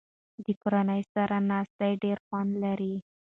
د کورنۍ سره ناسته ډېر خوند لري.